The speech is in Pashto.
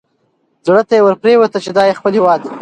زړه ته یې ورپرېوته چې دا یې خپل هیواد دی.